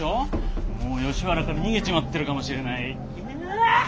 もう吉原から逃げちまってるかもしれない。